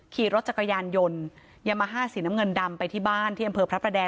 ขี่รถจักรยานยนต์ยามาฮ่าสีน้ำเงินดำไปที่บ้านที่อำเภอพระประแดง